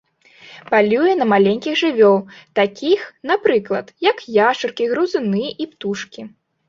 Палюе на маленькіх жывёл, такіх, напрыклад, як яшчаркі, грызуны і птушкі.